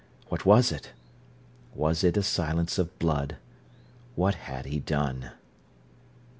What was it? Was it a silence of blood? What had he done?